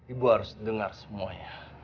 ibu harus dengar semuanya